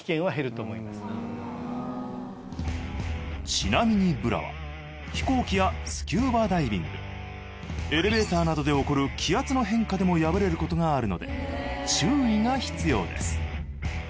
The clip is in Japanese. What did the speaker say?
ちなみにブラは飛行機やスキューバダイビングエレベーターなどで起こる気圧の変化でも破れることがあるので注意が必要です